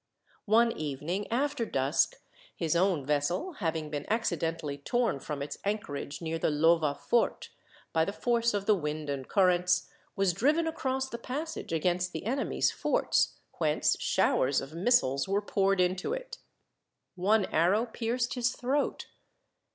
One evening after dusk his own vessel, having been accidentally torn from its anchorage near the Lova Fort by the force of the wind and currents, was driven across the passage against the enemy's forts, whence showers of missiles were poured into it. One arrow pierced his throat.